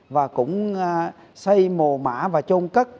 và cũng xây mồ mã và trôn cất